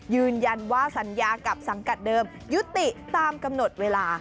ยืนยันว่าสัญญากับสังกัดเดิมยุติตามกำหนดเวลา